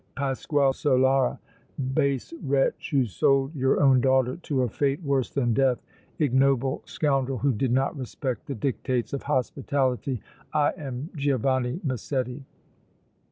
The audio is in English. Pasquale Solara, base wretch who sold your own daughter to a fate worse than death, ignoble scoundrel who did not respect the dictates of hospitality, I am Giovanni Massetti!"